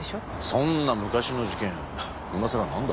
そんな昔の事件今さらなんだ？